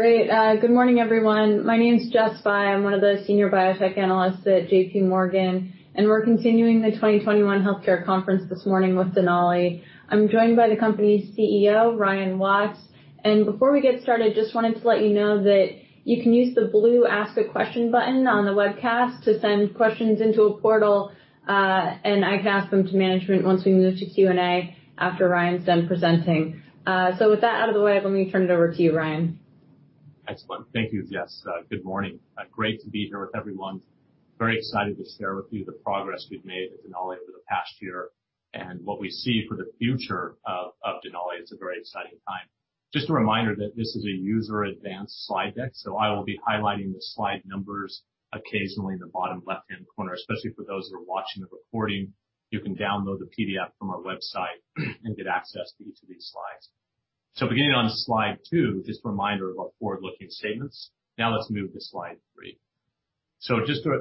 Great. Good morning, everyone. My name's Jess Fye. I'm one of the senior biotech analysts at JPMorgan. We're continuing the 2021 Healthcare Conference this morning with Denali. I'm joined by the company's CEO, Ryan Watts. Before we get started, just wanted to let you know that you can use the blue Ask a Question button on the webcast to send questions into a portal. I can ask them to management once we move to Q&A after Ryan's done presenting. With that out of the way, let me turn it over to you, Ryan. Excellent. Thank you, Jess. Good morning. Great to be here with everyone. Very excited to share with you the progress we've made at Denali over the past year and what we see for the future of Denali. It's a very exciting time. Just a reminder that this is a user-advanced slide deck, so I will be highlighting the slide numbers occasionally in the bottom left-hand corner, especially for those that are watching the recording. You can download the PDF from our website and get access to each of these slides. Beginning on slide two, just a reminder of our forward-looking statements. Now let's move to slide three. Just a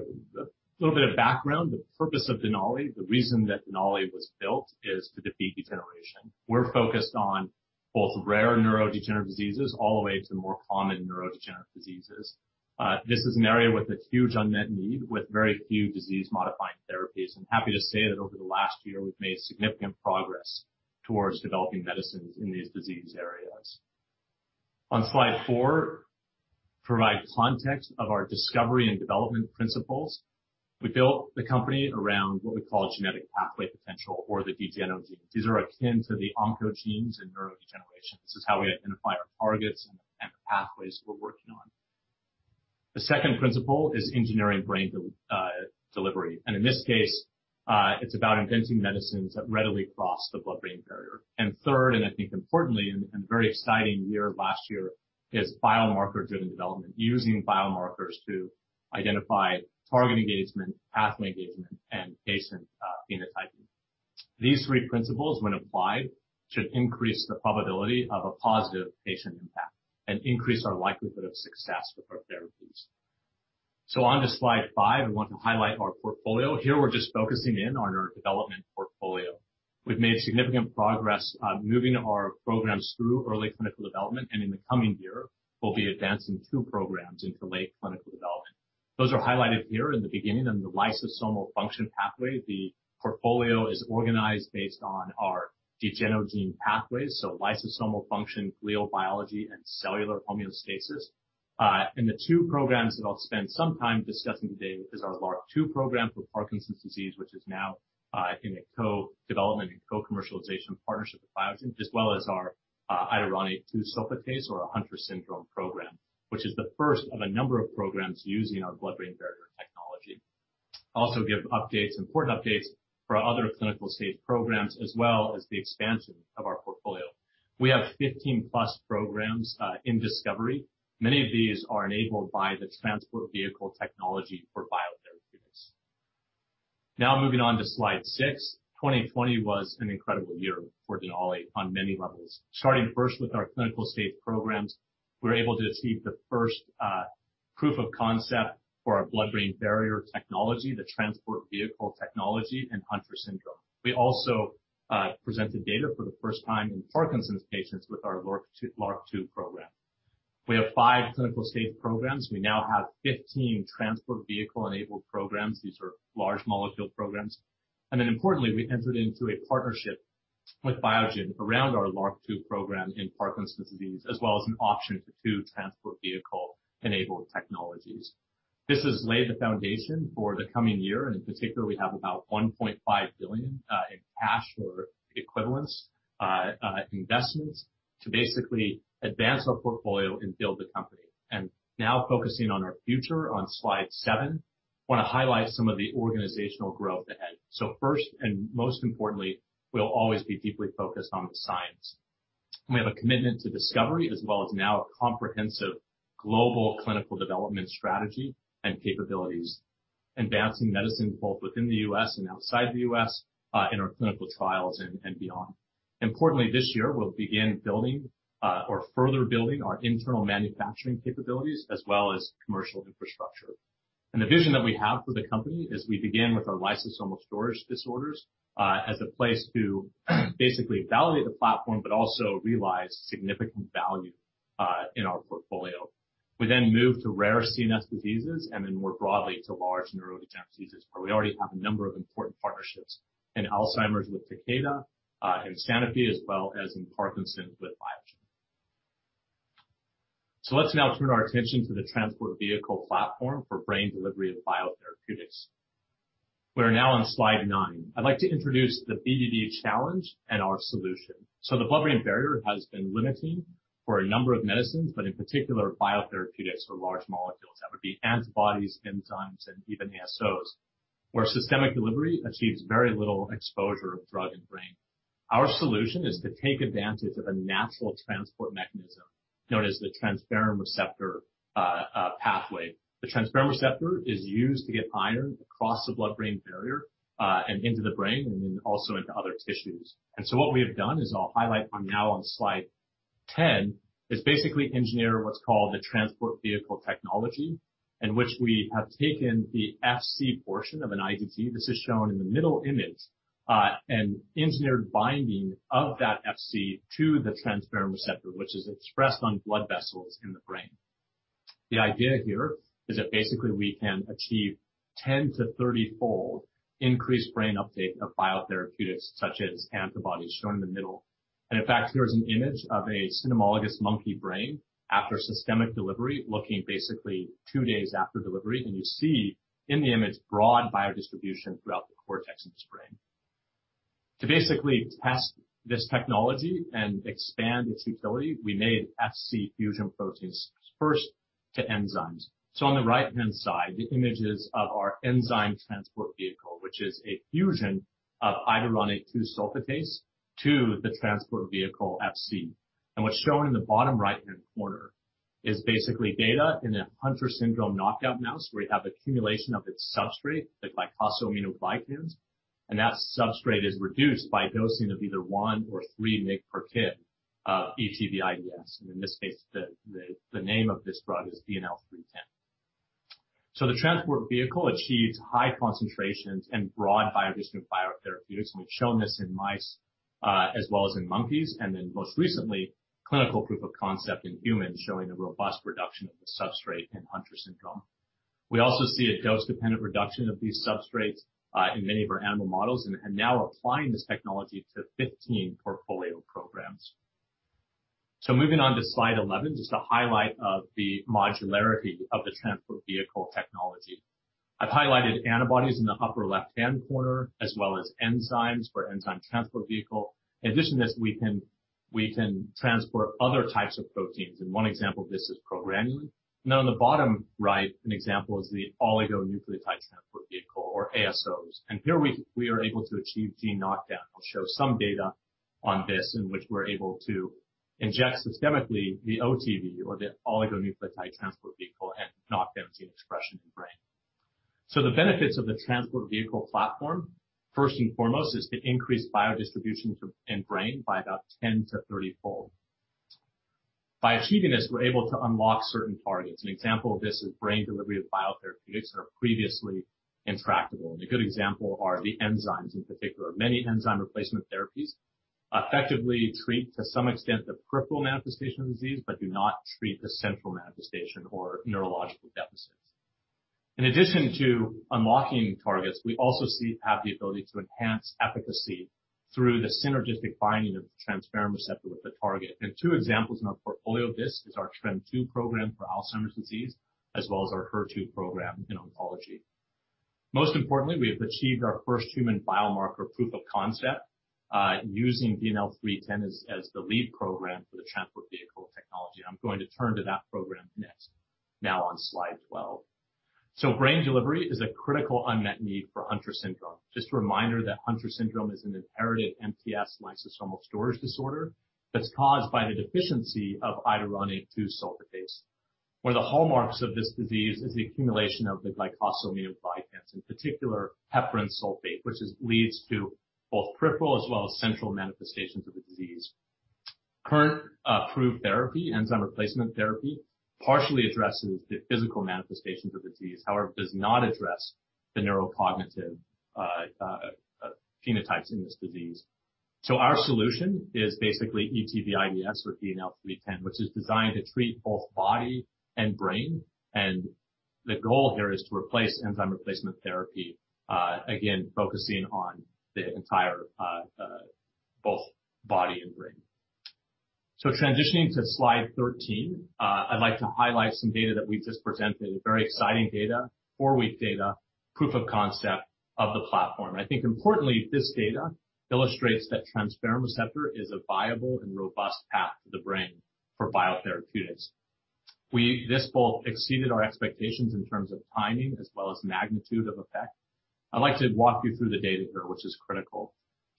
little bit of background. The purpose of Denali, the reason that Denali was built is to defeat degeneration. We're focused on both rare neurodegenerative diseases all the way to the more common neurodegenerative diseases. This is an area with a huge unmet need with very few disease-modifying therapies. Happy to say that over the last year, we've made significant progress towards developing medicines in these disease areas. On slide four, provide context of our discovery and development principles. We built the company around what we call genetic pathway potential or the Degenogene. These are akin to the oncogenes in neurodegeneration. This is how we identify our targets and the pathways we're working on. The second principle is engineering brain delivery. In this case, it's about inventing medicines that readily cross the blood-brain barrier. Third, and I think importantly, and a very exciting year last year, is biomarker-driven development using biomarkers to identify target engagement, pathway engagement, and patient phenotyping. These three principles, when applied, should increase the probability of a positive patient impact and increase our likelihood of success with our therapies. On to slide five, I want to highlight our portfolio. Here we're just focusing in on our development portfolio. We've made significant progress on moving our programs through early clinical development, and in the coming year, we'll be advancing two programs into late clinical development. Those are highlighted here in the beginning in the lysosomal function pathway. The portfolio is organized based on our degenogene pathways, so lysosomal function, glial biology, and cellular homeostasis. The two programs that I'll spend some time discussing today is our LRRK2 program for Parkinson's disease, which is now in a co-development and co-commercialization partnership with Biogen, as well as our iduronate 2-sulfatase or Hunter syndrome program, which is the first of a number of programs using our blood-brain barrier technology. Also give updates, important updates for our other clinical-stage programs, as well as the expansion of our portfolio. We have 15+ programs in discovery. Many of these are enabled by the Transport Vehicle technology for biotherapeutics. Moving on to slide six. 2020 was an incredible year for Denali on many levels. Starting first with our clinical-stage programs, we were able to achieve the first proof of concept for our blood-brain barrier technology, the Transport Vehicle technology in Hunter syndrome. We also presented data for the first time in Parkinson's patients with our LRRK2 program. We have five clinical-stage programs. We now have 15 Transport Vehicle-enabled programs. These are large molecule programs. Importantly, we entered into a partnership with Biogen around our LRRK2 program in Parkinson's disease, as well as an option for two Transport Vehicle-enabled technologies. This has laid the foundation for the coming year, and in particular, we have about $1.5 billion in cash or equivalents investments to basically advance our portfolio and build the company. Focusing on our future on slide seven, want to highlight some of the organizational growth ahead. First and most importantly, we'll always be deeply focused on the science. We have a commitment to discovery as well as now a comprehensive global clinical development strategy and capabilities, advancing medicine both within the U.S. and outside the U.S. in our clinical trials and beyond. Importantly, this year, we'll begin building or further building our internal manufacturing capabilities as well as commercial infrastructure. The vision that we have for the company is we begin with our lysosomal storage disorders as a place to basically validate the platform, but also realize significant value in our portfolio. Move to rare CNS diseases and then more broadly to large neurodegenerative diseases where we already have a number of important partnerships in Alzheimer's with Takeda and Sanofi, as well as in Parkinson's with Biogen. Let's now turn our attention to the Transport Vehicle platform for brain delivery of biotherapeutics. We're now on slide nine. I'd like to introduce the BBB challenge and our solution. The blood-brain barrier has been limiting for a number of medicines, but in particular, biotherapeutics or large molecules. That would be antibodies, enzymes, and even ASOs, where systemic delivery achieves very little exposure of drug and brain. Our solution is to take advantage of a natural transport mechanism known as the transferrin receptor pathway. The transferrin receptor is used to get iron across the blood-brain barrier and into the brain, and then also into other tissues. What we have done is I'll highlight now on slide 10, is basically engineer what's called the Transport Vehicle technology, in which we have taken the Fc portion of an IgG. This is shown in the middle image. And engineered binding of that Fc to the transferrin receptor, which is expressed on blood vessels in the brain. The idea here is that basically we can achieve 10-30x increased brain uptake of biotherapeutics, such as antibodies shown in the middle. In fact, here's an image of a cynomolgus monkey brain after systemic delivery, looking basically two days after delivery. You see in the image broad biodistribution throughout the cortex of its brain. To basically test this technology and expand its utility, we made Fc fusion proteins first to enzymes. On the right-hand side, the image is of our Enzyme Transport Vehicle, which is a fusion of iduronate-2-sulfatase to the Transport Vehicle Fc. What's shown in the bottom right-hand corner is basically data in a Hunter syndrome knockout mouse where you have accumulation of its substrate, the glycosaminoglycans, and that substrate is reduced by dosing of either 1 mg/kg or 3 mg/kg of ETV:IDS, and in this case, the name of this drug is DNL310. The Transport Vehicle achieves high concentrations and broad biodistribution biotherapeutics, and we've shown this in mice as well as in monkeys, and then most recently, clinical proof of concept in humans showing a robust reduction of the substrate in Hunter syndrome. We also see a dose-dependent reduction of these substrates in many of our animal models and are now applying this technology to 15 portfolio programs. Moving on to slide 11, just a highlight of the modularity of the Transport Vehicle technology. I've highlighted antibodies in the upper left-hand corner as well as enzymes for Enzyme Transport Vehicle. In addition to this, we can transport other types of proteins, and one example of this is progranulin. On the bottom right, an example is the Oligonucleotide Transport Vehicle or ASOs. Here we are able to achieve gene knockdown. I'll show some data on this in which we're able to inject systemically the OTV, or the Oligonucleotide Transport Vehicle, and knock down gene expression in brain. The benefits of the Transport Vehicle platform, first and foremost, is to increase biodistribution in brain by about 10-30x. By achieving this, we're able to unlock certain targets. An example of this is brain delivery of biotherapeutics that are previously intractable. A good example are the enzymes in particular. Many enzyme replacement therapies effectively treat, to some extent, the peripheral manifestation of disease but do not treat the central manifestation or neurological deficits. In addition to unlocking targets, we also have the ability to enhance efficacy through the synergistic binding of the transferrin receptor with the target. Two examples in our portfolio of this is our TREM2 program for Alzheimer's disease as well as our HER2 program in oncology. Most importantly, we have achieved our first human biomarker proof of concept using DNL310 as the lead program for the Transport Vehicle technology. I'm going to turn to that program next, now on slide 12. Brain delivery is a critical unmet need for Hunter syndrome. Just a reminder that Hunter syndrome is an inherited MPS lysosomal storage disorder that's caused by the deficiency of iduronate-two-sulfatase. One of the hallmarks of this disease is the accumulation of the glycosaminoglycans, in particular heparan sulfate, which leads to both peripheral as well as central manifestations of the disease. Current approved therapy, enzyme replacement therapy, partially addresses the physical manifestations of disease, however, does not address the neurocognitive phenotypes in this disease. Our solution is basically ETV:IDS or DNL310, which is designed to treat both body and brain. The goal here is to replace enzyme replacement therapy, again, focusing on the entire both body and brain. Transitioning to slide 13, I'd like to highlight some data that we've just presented, very exciting data, four-week data, proof of concept of the platform. I think importantly, this data illustrates that transferrin receptor is a viable and robust path to the brain for biotherapeutics. This both exceeded our expectations in terms of timing as well as magnitude of effect. I'd like to walk you through the data here, which is critical.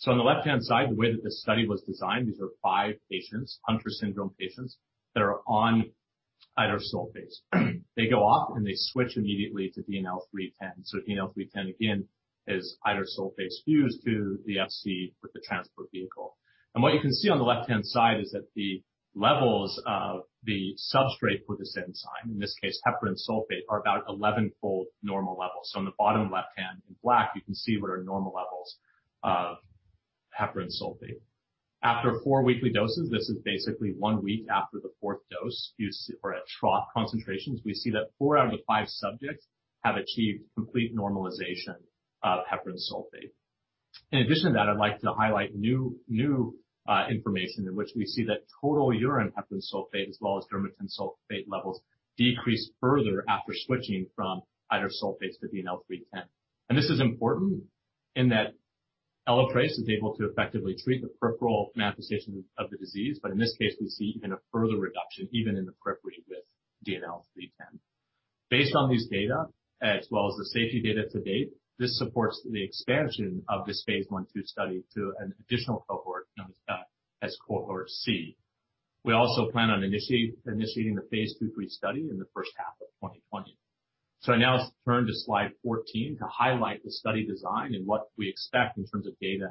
On the left-hand side, the way that this study was designed, these are five patients, Hunter syndrome patients, that are on idursulfase. They go off, and they switch immediately to DNL310. DNL310, again, is idursulfase fused to the Fc with the Transport Vehicle. What you can see on the left-hand side is that the levels of the substrate for this enzyme, in this case, heparan sulfate, are about 11x normal levels. In the bottom left-hand in black, you can see what are normal levels of heparan sulfate. After four weekly doses, this is basically one week after the fourth dose or at trough concentrations, we see that four out of the five subjects have achieved complete normalization of heparan sulfate. In addition to that, I'd like to highlight new information in which we see that total urine heparan sulfate as well as dermatan sulfate levels decrease further after switching from idursulfase to DNL310. This is important in that Elaprase is able to effectively treat the peripheral manifestation of the disease. In this case, we see even a further reduction even in the periphery with DNL310. Based on these data as well as the safety data to date, this supports the expansion of this phase I/II study to an additional cohort known as cohort C. We also plan on initiating the phase II/III study in the first half of 2020. I now turn to slide 14 to highlight the study design and what we expect in terms of data.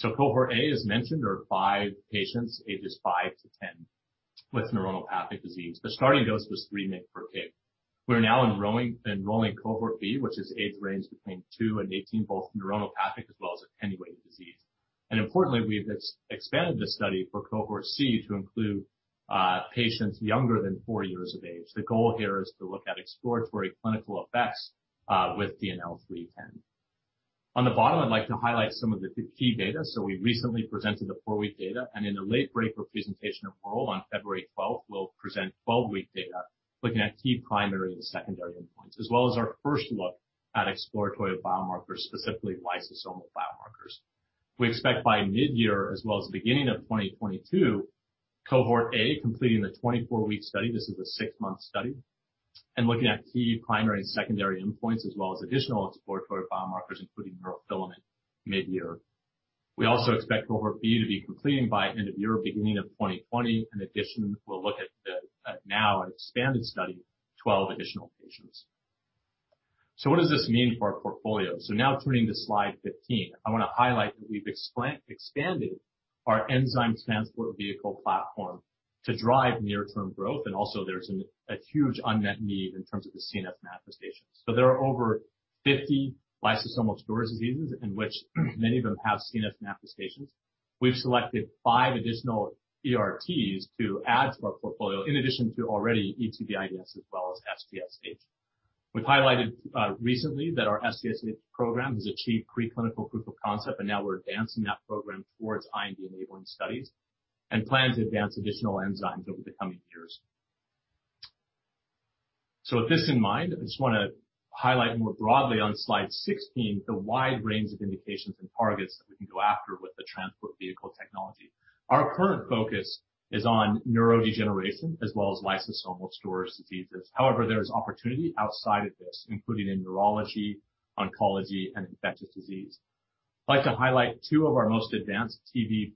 Cohort A, as mentioned, are five patients ages five to 10 with neuronopathic disease. The starting dose was 3 mg/kg. We're now enrolling cohort B, which is age range between two and 18, both neuronopathic as well as attenuated disease. Importantly, we've expanded the study for cohort C to include patients younger than four years of age. The goal here is to look at exploratory clinical effects with DNL310. On the bottom, I'd like to highlight some of the key data. We recently presented the four-week data, and in the late-breaker presentation at WORLD on February 12th, 2021 we'll present 12-week data looking at key primary and secondary endpoints, as well as our first look at exploratory biomarkers, specifically lysosomal biomarkers. We expect by midyear as well as the beginning of 2022, cohort A completing the 24-week study, looking at key primary and secondary endpoints, as well as additional exploratory biomarkers, including neurofilament midyear. This is a six-month study. We also expect cohort B to be completing by end of 2021, beginning of 2020. In addition, we'll look at now an expanded study, 12 additional patients. What does this mean for our portfolio? Now turning to slide 15, I want to highlight that we've expanded our Enzyme Transport Vehicle platform to drive near-term growth, and also there's a huge unmet need in terms of the CNS manifestations. There are over 50 lysosomal storage diseases in which many of them have CNS manifestations. We've selected five additional ERTs to add to our portfolio, in addition to already ETV:IDS as well as SGSH. We've highlighted recently that our SGSH program has achieved preclinical proof of concept, and now we're advancing that program towards IND-enabling studies and plan to advance additional enzymes over the coming years. With this in mind, I just want to highlight more broadly on slide 16 the wide range of indications and targets that we can go after with the Transport Vehicle technology. Our current focus is on neurodegeneration as well as lysosomal storage diseases. There is opportunity outside of this, including in neurology, oncology, and infectious disease. I'd like to highlight two of our most advanced TV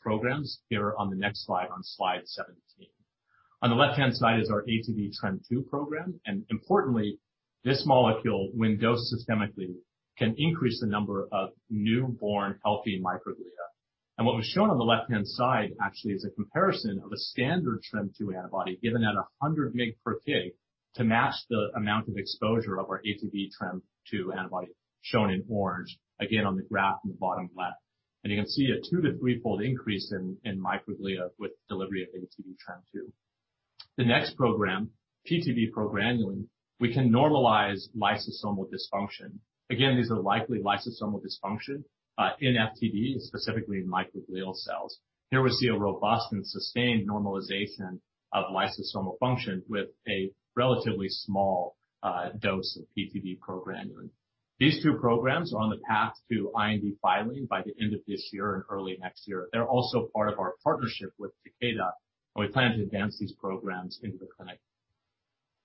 programs here on the next slide, on slide 17. On the left-hand side is our ATV:TREM2 program. Importantly, this molecule, when dosed systemically, can increase the number of newborn healthy microglia. What was shown on the left-hand side actually is a comparison of a standard TREM2 antibody given at 100 mg per kg to match the amount of exposure of our ATV:TREM2 antibody shown in orange, again, on the graph in the bottom left. You can see a 2-3x increase in microglia with delivery of ATV:TREM2. The next program, PTV:progranulin, we can normalize lysosomal dysfunction. Again, these are likely lysosomal dysfunction in FTD, specifically in microglial cells. Here we see a robust and sustained normalization of lysosomal function with a relatively small dose of PTV:PGRN. These two programs are on the path to IND filing by the end of this year and early next year. They're also part of our partnership with Takeda, and we plan to advance these programs into the clinic.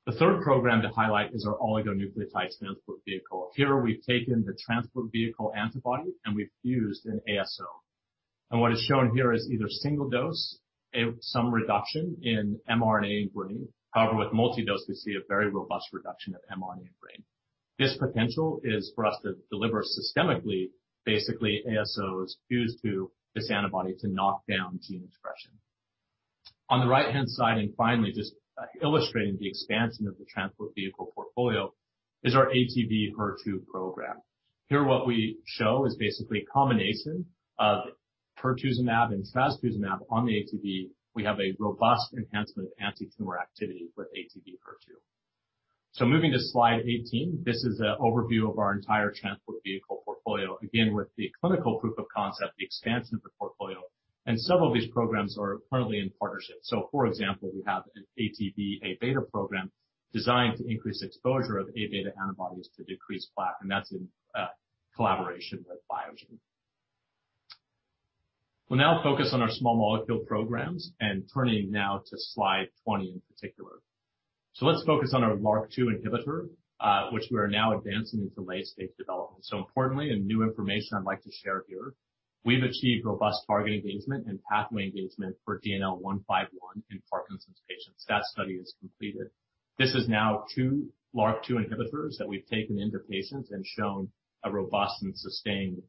The third program to highlight is our Oligonucleotide Transport Vehicle. Here we've taken the Transport Vehicle antibody, and we've fused an ASO. What is shown here is either single dose, some reduction in mRNA brain. However, with multi-dose, we see a very robust reduction of mRNA in brain. This potential is for us to deliver systemically, basiclly ASOs fused to this antibody to knock down gene expression. On the right-hand side, and finally, just illustrating the expansion of the Transport Vehicle portfolio is our ATV:HER2 program. Here what we show is basically a combination of pertuzumab and trastuzumab on the ATV. We have a robust enhancement of antitumor activity with ATV:HER2. Moving to slide 18, this is an overview of our entire Transport Vehicle portfolio, again, with the clinical proof of concept, the expansion of the portfolio, and several of these programs are currently in partnership. For example, we have an ATV:Abeta program designed to increase exposure of Abeta antibodies to decrease plaque, and that's in collaboration with Biogen. We'll now focus on our small molecule programs and turning now to slide 20 in particular. Let's focus on our LRRK2 inhibitor, which we are now advancing into late-stage development. Importantly, a new information I'd like to share here, we've achieved robust target engagement and pathway engagement for DNL151 in Parkinson's patients. That study is completed. This is now two LRRK2 inhibitors that we've taken into patients and shown a robust and sustained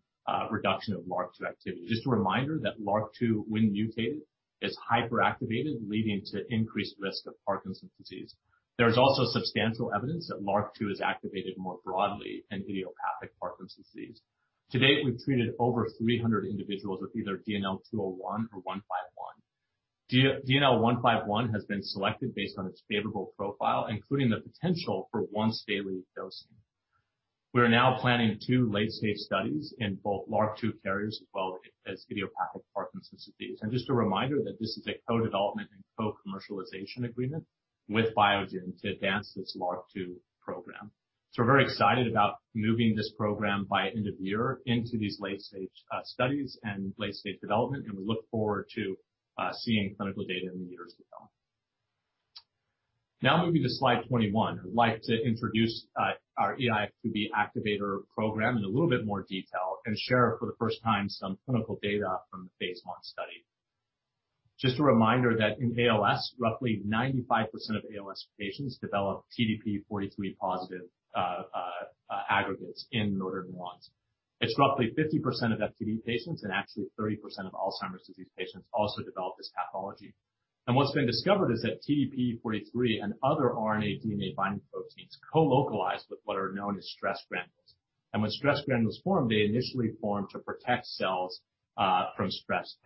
reduction of LRRK2 activity. Just a reminder that LRRK2, when mutated, is hyperactivated, leading to increased risk of Parkinson's disease. There's also substantial evidence that LRRK2 is activated more broadly in idiopathic Parkinson's disease. To date, we've treated over 300 individuals with either DNL201 or DNL151. DNL151 has been selected based on its favorable profile, including the potential for once-daily dosing. We are now planning two late-stage studies in both LRRK2 carriers as well as idiopathic Parkinson's disease. Just a reminder that this is a co-development and co-commercialization agreement with Biogen to advance this LRRK2 program. We're very excited about moving this program by end of year into these late-stage studies and late-stage development, and we look forward to seeing clinical data in the years to come. Moving to slide 21. I'd like to introduce our eIF2B activator program in a little bit more detail and share for the first time some clinical data from the phase I study. A reminder that in ALS, roughly 95% of ALS patients develop TDP-43 positive aggregates in motor neurons. It's roughly 50% of FTD patients and actually 30% of Alzheimer's disease patients also develop this pathology. What's been discovered is that TDP-43 and other RNA/DNA binding proteins co-localize with what are known as stress granules. When stress granules form, they initially form to protect cells from stress.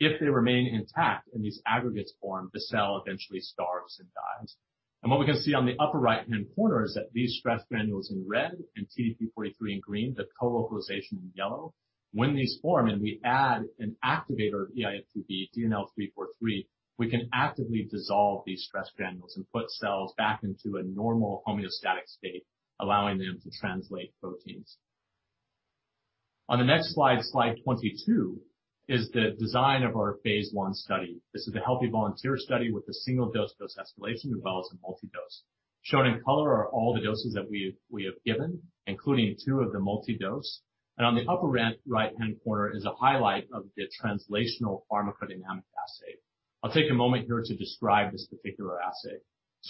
If they remain intact and these aggregates form, the cell eventually starves and dies. What we can see on the upper right-hand corner is that these stress granules in red and TDP-43 in green, the co-localization in yellow, when these form and we add an activator of eIF2B, DNL343, we can actively dissolve these stress granules and put cells back into a normal homeostatic state, allowing them to translate proteins. On the next slide 22, is the design of our phase I study. This is a healthy volunteer study with a single-dose escalation as well as a multi-dose. Shown in color are all the doses that we have given, including two of the multi-dose. On the upper right-hand corner is a highlight of the translational pharmacodynamic assay. I'll take a moment here to describe this particular assay.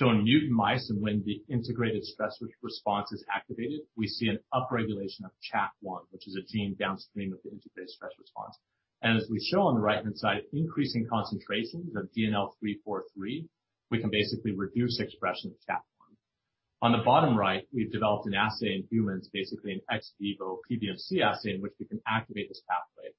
In mutant mice and when the integrated stress response is activated, we see an upregulation of CHOP1, which is a gene downstream of the integrated stress response. As we show on the right-hand side, increasing concentrations of DNL343, we can basically reduce expression of CHOP1. On the bottom right, we've developed an assay in humans, basically an ex vivo PBMC assay in which we can activate this pathway.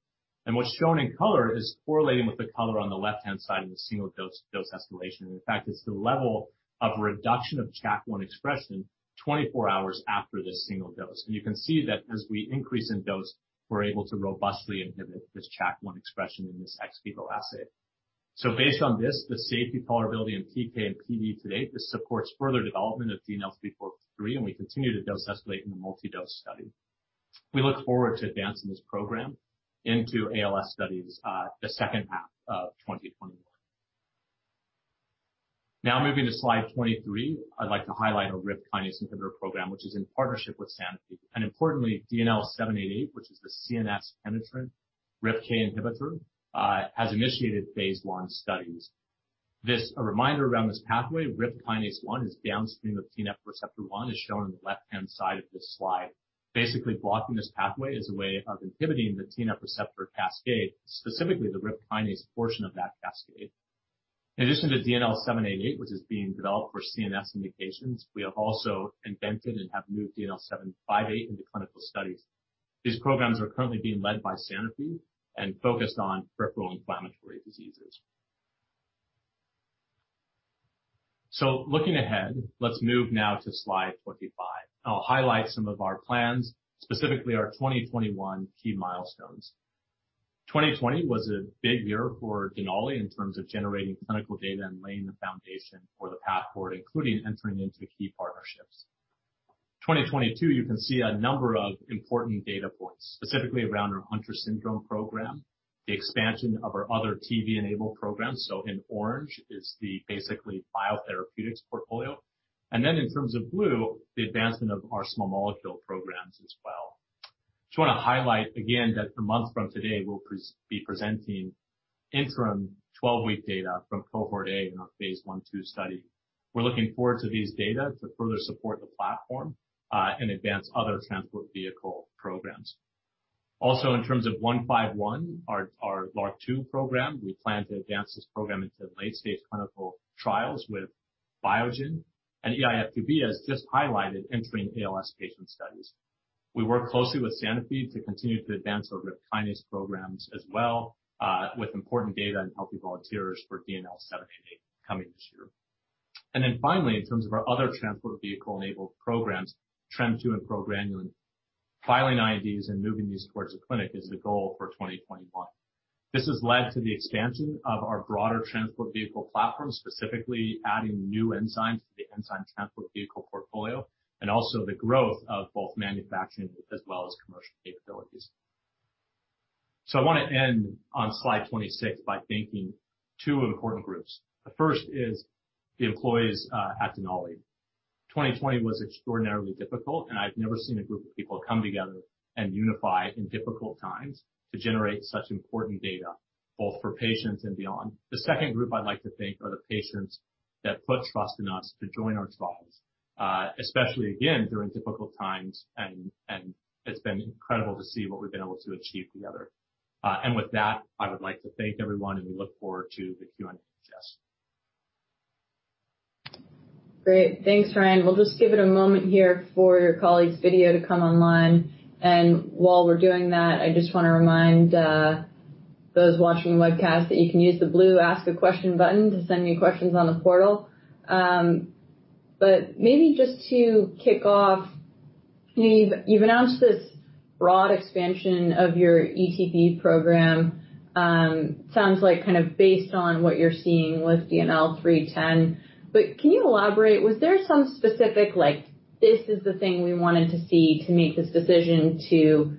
What's shown in color is correlating with the color on the left-hand side of the single dose-dose escalation. In fact, it's the level of reduction of CHOP1 expression 24 hours after this single dose. You can see that as we increase in dose, we're able to robustly inhibit this CHOP1 expression in this ex vivo assay. Based on this, the safety tolerability in PK and PD to date, this supports further development of DNL343, and we continue to dose escalate in the multi-dose study. We look forward to advancing this program into ALS studies the second half of 2021. Moving to slide 23, I'd like to highlight our RIP kinase inhibitor program, which is in partnership with Sanofi. Importantly, DNL788, which is the CNS penetrant RIPK inhibitor, has initiated phase I studies. A reminder around this pathway, RIP kinase one is downstream of TNF receptor one as shown on the left-hand side of this slide. Blocking this pathway is a way of inhibiting the TNF receptor cascade, specifically the RIP kinase portion of that cascade. In addition to DNL788, which is being developed for CNS indications, we have also invented and have moved DNL758 into clinical studies. These programs are currently being led by Sanofi and focused on peripheral inflammatory diseases. Looking ahead, let's move now to slide 25. I'll highlight some of our plans, specifically our 2021 key milestones. 2020 was a big year for Denali in terms of generating clinical data and laying the foundation for the platform, including entering into key partnerships. 2022, you can see a number of important data points, specifically around our Hunter syndrome program, the expansion of our other ETV-enabled programs. In orange is the biotherapeutics portfolio. In terms of blue, the advancement of our small molecule programs as well. Just want to highlight again that a month from today, we'll be presenting interim 12-week data from cohort A in our phase I/II study. We're looking forward to these data to further support the platform and advance other Transport Vehicle programs. Also in terms of DNL151, our LRRK2 program, we plan to advance this program into late-stage clinical trials with Biogen, and eIF2B has just highlighted entering ALS patient studies. We work closely with Sanofi to continue to advance our RIP kinase programs as well with important data in healthy volunteers for DNL788 coming this year. Finally, in terms of our other Transport Vehicle-enabled programs, TREM2 and progranulin, filing INDs and moving these towards the clinic is the goal for 2021. This has led to the expansion of our broader Transport Vehicle platform, specifically adding new enzymes to the Enzyme Transport Vehicle portfolio, and also the growth of both manufacturing as well as commercial capabilities. I want to end on slide 26 by thanking two important groups. The first is the employees at Denali. 2020 was extraordinarily difficult, and I've never seen a group of people come together and unify in difficult times to generate such important data, both for patients and beyond. The second group I'd like to thank are the patients that put trust in us to join our trials, especially again, during difficult times, and it's been incredible to see what we've been able to achieve together. With that, I would like to thank everyone, and we look forward to the Q&A, Jess. Great. Thanks Ryan. We'll just give it a moment here for your colleague's video to come online. While we're doing that, I just want to remind those watching the webcast that you can use the blue Ask a Question button to send me questions on the portal. Maybe just to kick off, you've announced this broad expansion of your ETV program. Sounds like kind of based on what you're seeing with DNL310. Can you elaborate? Was there some specific like, "This is the thing we wanted to see to make this decision to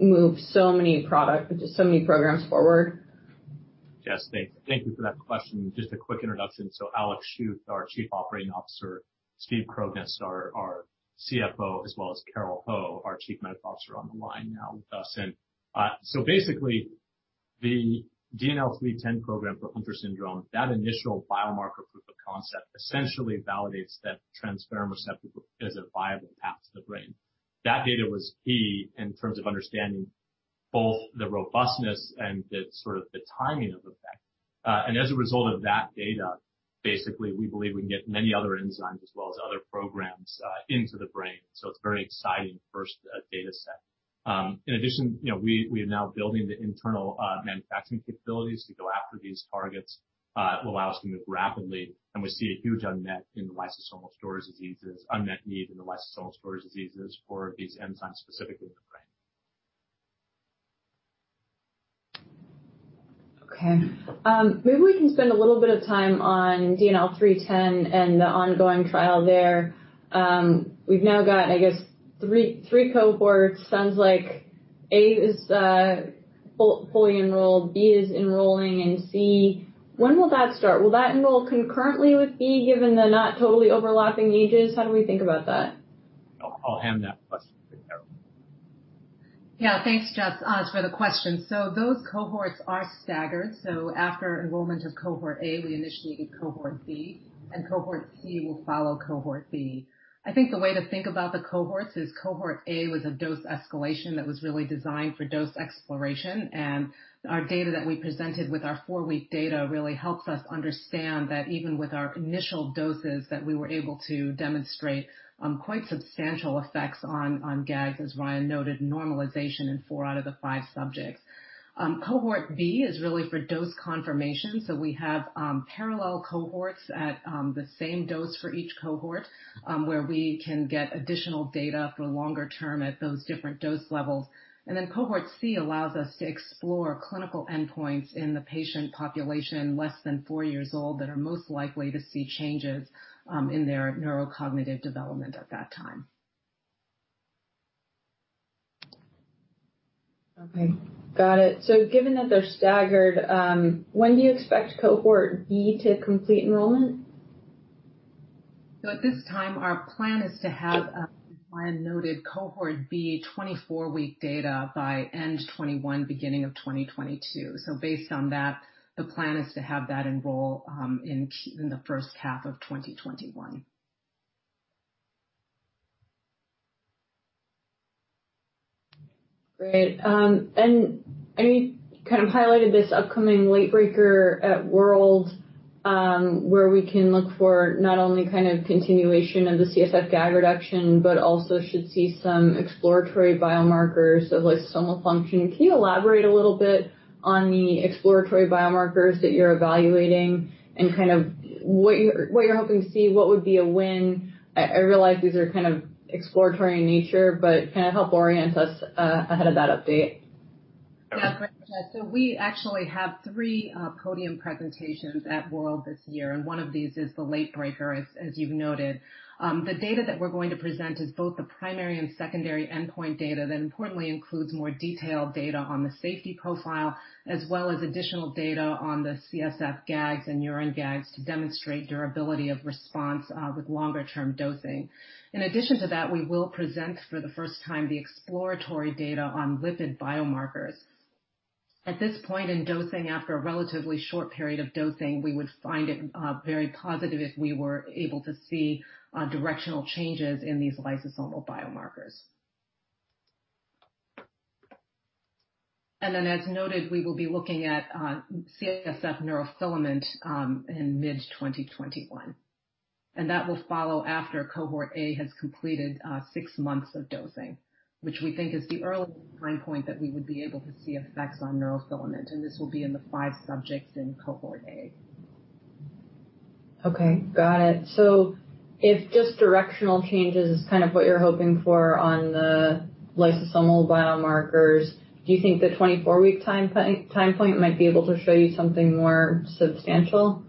move so many programs forward"? Jess, thanks. Thank you for that question. Just a quick introduction. Alexander Schuth, our Chief Operating Officer, Steve Krognes, our CFO, as well as Carole Ho, our Chief Medical Officer, on the line now with us. The DNL310 program for Hunter syndrome, that initial biomarker proof of concept essentially validates that transferrin receptor is a viable path to the brain. That data was key in terms of understanding both the robustness and the timing of effect. As a result of that data, we believe we can get many other enzymes as well as other programs into the brain. It's a very exciting first data set. In addition, we are now building the internal manufacturing capabilities to go after these targets. It will allow us to move rapidly. We see a huge unmet need in the lysosomal storage diseases for these enzymes, specifically in the brain. Okay. Maybe we can spend a little bit of time on DNL310 and the ongoing trial there. We've now got, I guess, three cohorts. Sounds like A is fully enrolled, B is enrolling, and C, when will that start? Will that enroll concurrently with E, given the not totally overlapping ages? How do we think about that? I'll hand that question to Carole. Thanks, Jess, for the question. Those cohorts are staggered. After enrollment of cohort A, we initiated cohort B, cohort C will follow cohort B. I think the way to think about the cohorts is cohort A was a dose escalation that was really designed for dose exploration. Our data that we presented with our four-week data really helps us understand that even with our initial doses, that we were able to demonstrate quite substantial effects on GAG, as Ryan noted, normalization in four out of the five subjects. Cohort B is really for dose confirmation. We have parallel cohorts at the same dose for each cohort, where we can get additional data for longer term at those different dose levels. Cohort C allows us to explore clinical endpoints in the patient population less than four years old that are most likely to see changes in their neurocognitive development at that time. Okay. Got it. Given that they're staggered, when do you expect cohort B to complete enrollment? At this time, our plan is to have, as Ryan noted, cohort B 24-week data by end 2021, beginning of 2022. Based on that, the plan is to have that enroll in the first half of 2021. Great. You kind of highlighted this upcoming late breaker at WORLD, where we can look for not only kind of continuation of the CSF GAG reduction, but also should see some exploratory biomarkers of lysosomal function. Can you elaborate a little bit on the exploratory biomarkers that you're evaluating and what you're hoping to see? What would be a win? I realize these are kind of exploratory in nature, but kind of help orient us ahead of that update. Yeah, great. We actually have three podium presentations at WORLD this year, and one of these is the late breaker, as you've noted. The data that we're going to present is both the primary and secondary endpoint data that importantly includes more detailed data on the safety profile as well as additional data on the CSF GAGs and urine GAGs to demonstrate durability of response with longer-term dosing. In addition to that, we will present for the first time the exploratory data on lipid biomarkers. At this point in dosing, after a relatively short period of dosing, we would find it very positive if we were able to see directional changes in these lysosomal biomarkers. As noted, we will be looking at CSF neurofilament in mid-2021. That will follow after cohort A has completed six months of dosing, which we think is the earliest time point that we would be able to see effects on neurofilament, and this will be in the five subjects in cohort A. Okay. Got it. If just directional change is kind of what you're hoping for on the lysosomal biomarkers, do you think the 24-week time point might be able to show you something more substantial?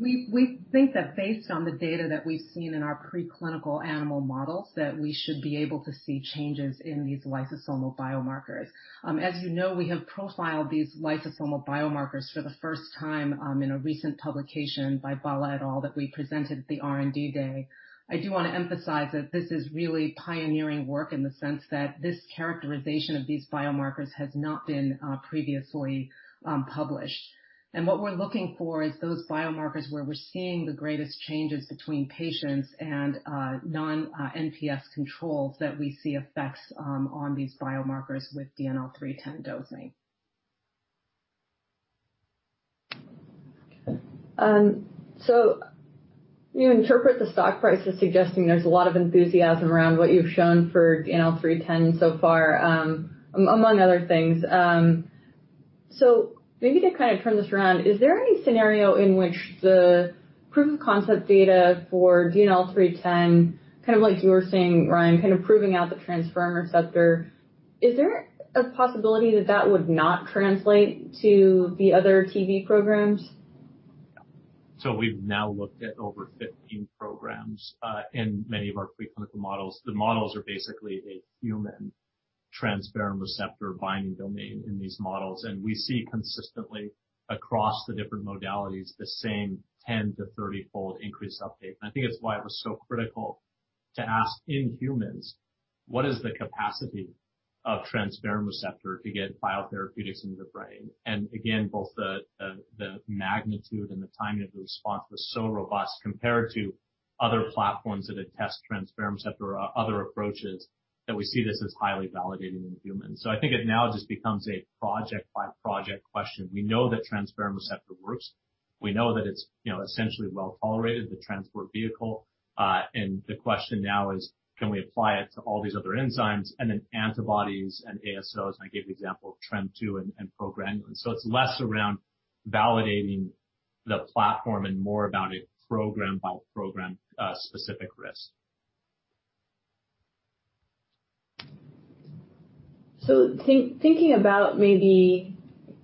We think that based on the data that we've seen in our preclinical animal models, that we should be able to see changes in these lysosomal biomarkers. As you know, we have profiled these lysosomal biomarkers for the first time in a recent publication by Bala et al. that we presented at the R&D Day. I do want to emphasize that this is really pioneering work in the sense that this characterization of these biomarkers has not been previously published. What we're looking for is those biomarkers where we're seeing the greatest changes between patients and non-MPS controls that we see effects on these biomarkers with DNL310 dosing. Okay. You interpret the stock price as suggesting there's a lot of enthusiasm around what you've shown for DNL310 so far, among other things. Maybe to kind of turn this around, is there any scenario in which the proof of concept data for DNL310, kind of like you were saying, Ryan, kind of proving out the transferrin receptor, is there a possibility that that would not translate to the other TV programs? We've now looked at over 15 programs in many of our preclinical models. The models are basically a human transferrin receptor binding domain in these models, and we see consistently across the different modalities, the same 10-30x increase uptake. I think it's why it was so critical to ask in humans, what is the capacity of transferrin receptor to get biotherapeutics into the brain? Again, both the magnitude and the timing of the response was so robust compared to other platforms that attest transferrin receptor or other approaches that we see this as highly validating in humans. I think it now just becomes a project-by-project question. We know that transferrin receptor works. We know that it's essentially well-tolerated, the Transport Vehicle. The question now is, can we apply it to all these other enzymes and then antibodies and ASOs? I gave the example of TREM2 and progranulin. It's less around validating the platform and more about a program-by-program specific risk. Thinking about maybe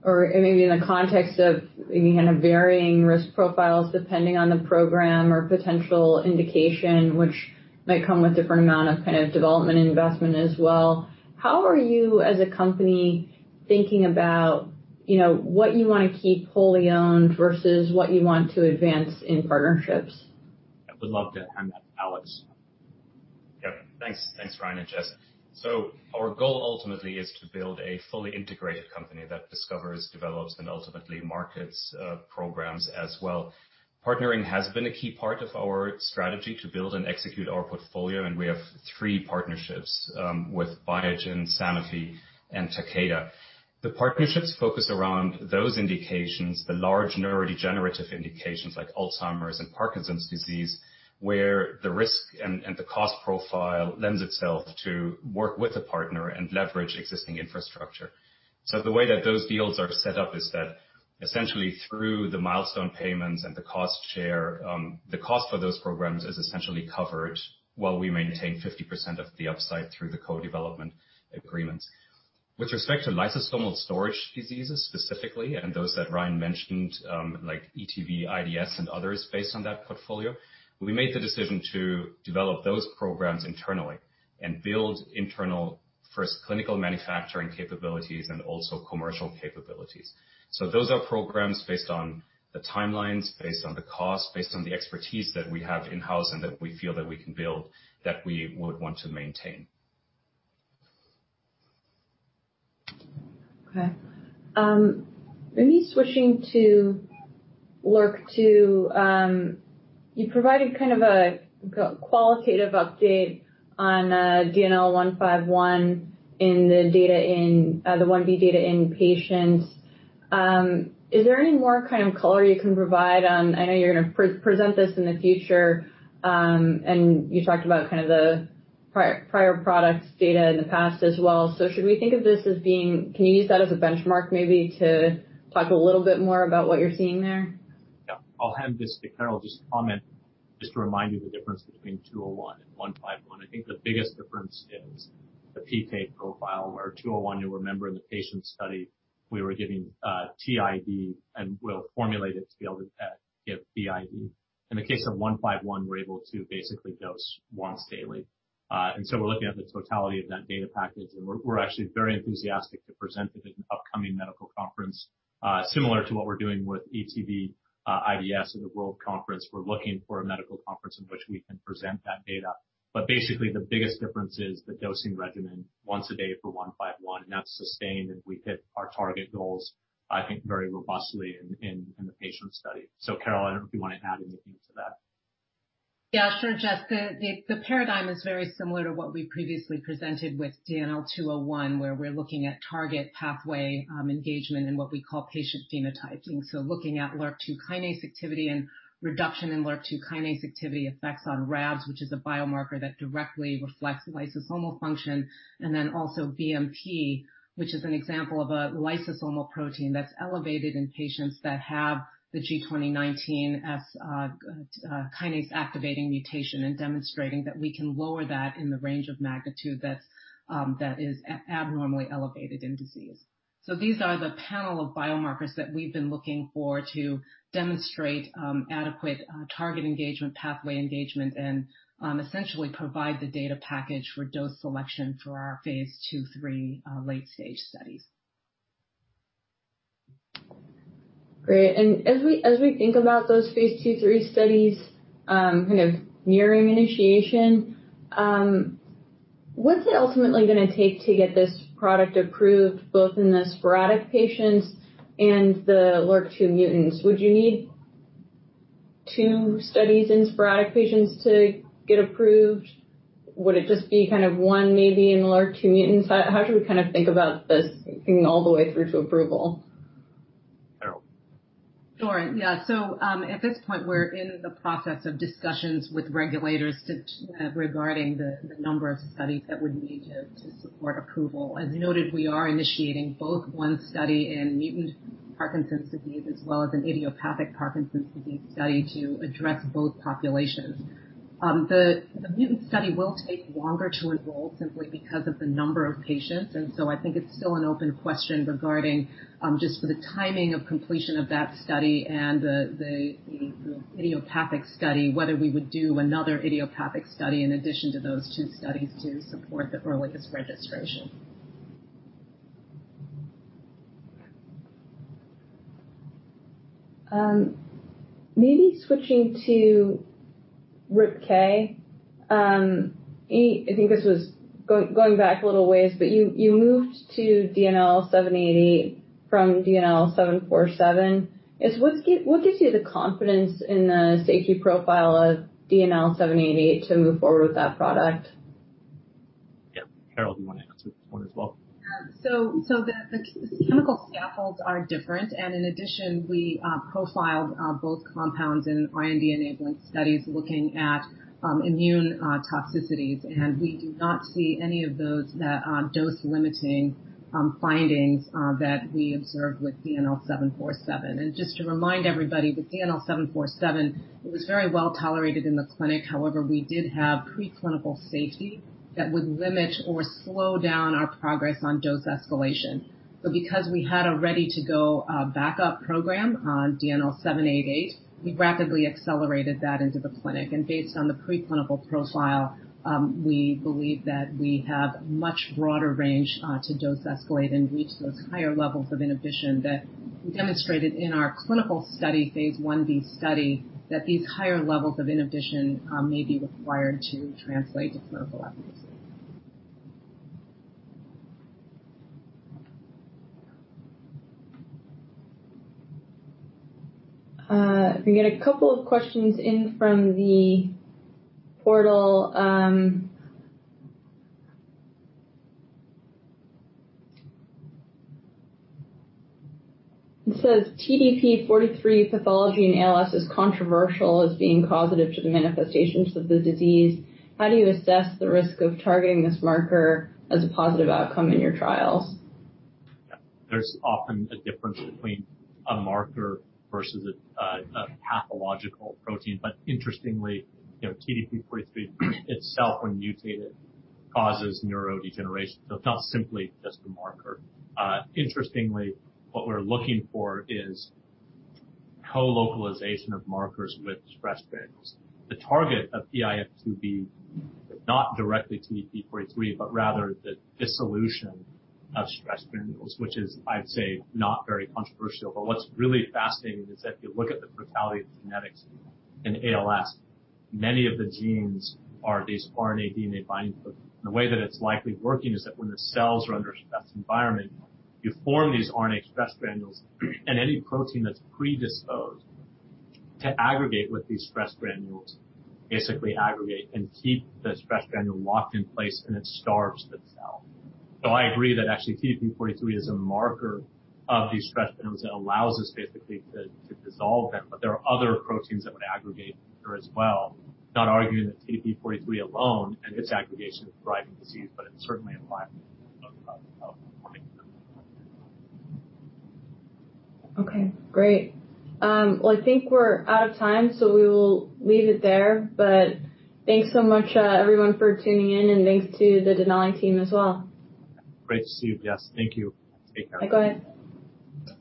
in the context of kind of varying risk profiles depending on the program or potential indication, which might come with different amount of development and investment as well, how are you as a company thinking about what you want to keep wholly owned versus what you want to advance in partnerships? I would love to hand that to Alex. Yep. Thanks, Ryan and Jess. Our goal ultimately is to build a fully integrated company that discovers, develops, and ultimately markets programs as well. Partnering has been a key part of our strategy to build and execute our portfolio, and we have three partnerships with Biogen, Sanofi, and Takeda. The partnerships focus around those indications, the large neurodegenerative indications like Alzheimer's and Parkinson's disease, where the risk and the cost profile lends itself to work with a partner and leverage existing infrastructure. The way that those deals are set up is that essentially through the milestone payments and the cost share, the cost for those programs is essentially covered while we maintain 50% of the upside through the co-development agreements. With respect to lysosomal storage diseases specifically, and those that Ryan mentioned, like ETV, IDS, and others based on that portfolio, we made the decision to develop those programs internally and build internal first clinical manufacturing capabilities and also commercial capabilities. Those are programs based on the timelines, based on the cost, based on the expertise that we have in-house and that we feel that we can build, that we would want to maintain. Okay. Maybe switching to LRRK2. You provided a qualitative update on DNL151 in the 1B data in patients. Is there any more kind of color you can provide. I know you're going to present this in the future. You talked about the prior products data in the past as well. Should we think of this as, can you use that as a benchmark maybe to talk a little bit more about what you're seeing there? Yeah. I'll hand this to Carole. Just to comment, just to remind you the difference between 201 and 151. I think the biggest difference is the PK profile, where 201, you'll remember in the patient study, we were giving TID, and we'll formulate it to be able to give BID. In the case of 151, we're able to basically dose once daily. So we're looking at the totality of that data package, and we're actually very enthusiastic to present it at an upcoming medical conference, similar to what we're doing with ETV, IDS at the WORLDSymposium. We're looking for a medical conference in which we can present that data. Basically, the biggest difference is the dosing regimen once a day for 151, and that's sustained, and we hit our target goals, I think, very robustly in the patient study. Carole, I don't know if you want to add anything to that. Sure, Jess. The paradigm is very similar to what we previously presented with DNL201, where we're looking at target pathway engagement in what we call patient phenotyping. Looking at LRRK2 kinase activity and reduction in LRRK2 kinase activity effects on Rabs, which is a biomarker that directly reflects lysosomal function, and then also BMP, which is an example of a lysosomal protein that's elevated in patients that have the G2019S kinase-activating mutation and demonstrating that we can lower that in the range of magnitude that is abnormally elevated in disease. These are the panel of biomarkers that we've been looking for to demonstrate adequate target engagement, pathway engagement, and essentially provide the data package for dose selection for our phase II, III late-stage studies. Great. As we think about those phase II, III studies kind of nearing initiation, what's it ultimately going to take to get this product approved both in the sporadic patients and the LRRK2 mutants? Would you need two studies in sporadic patients to get approved? Would it just be one maybe in LRRK2 mutants? How should we think about this thinking all the way through to approval? Carole. Sure. Yeah. At this point, we're in the process of discussions with regulators regarding the number of studies that we need to support approval. As noted, we are initiating both one study in mutant Parkinson's disease as well as an idiopathic Parkinson's disease study to address both populations. The mutant study will take longer to enroll simply because of the number of patients, and so I think it's still an open question regarding just for the timing of completion of that study and the idiopathic study, whether we would do another idiopathic study in addition to those two studies to support the Rule 405 registration. Maybe switching to RIPK1. I think this was going back a little ways. You moved to DNL788 from DNL747. What gives you the confidence in the safety profile of DNL788 to move forward with that product? Yeah. Carole, do you want to answer this one as well? The chemical scaffolds are different, and in addition, we profiled both compounds in IND-enabling studies looking at immune toxicities, and we do not see any of those dose-limiting findings that we observed with DNL747. Just to remind everybody, the DNL747 was very well tolerated in the clinic. However, we did have preclinical safety that would limit or slow down our progress on dose escalation. Because we had a ready-to-go backup program on DNL788, we rapidly accelerated that into the clinic. Based on the preclinical profile, we believe that we have much broader range to dose escalate and reach those higher levels of inhibition that we demonstrated in our clinical study, phase I-B study, that these higher levels of inhibition may be required to translate to clinical efficacy. We get a couple of questions in from the portal. It says TDP-43 pathology in ALS is controversial as being causative to the manifestations of the disease. How do you assess the risk of targeting this marker as a positive outcome in your trials? Yeah. There's often a difference between a marker versus a pathological protein. Interestingly, TDP-43 itself, when mutated, causes neurodegeneration. It's not simply just a marker. Interestingly, what we're looking for is colocalization of markers with stress granules. The target of eIF2B is not directly TDP-43, but rather the dissolution of stress granules, which is, I'd say, not very controversial. What's really fascinating is if you look at the totality of the genetics in ALS, many of the genes are these RNA DNA binding proteins. The way that it's likely working is that when the cells are under a stressed environment, you form these RNA stress granules, and any protein that's predisposed to aggregate with these stress granules basically aggregate and keep the stress granule locked in place, and it starves the cell. I agree that actually TDP-43 is a marker of these stress granules that allows us basically to dissolve them, but there are other proteins that would aggregate as well. Okay, great. Well, I think we're out of time, we will leave it there. Thanks so much, everyone, for tuning in, thanks to the Denali team as well. Great to see you, Jess. Thank you. Take care. Bye go ahead.